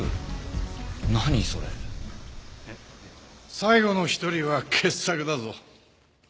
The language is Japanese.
最後の１人は傑作だぞ。